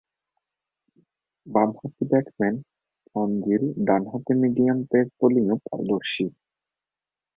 বামহাতি ব্যাটসম্যান ফন জিল ডানহাতে মিডিয়াম পেস বোলিংয়েও পারদর্শী।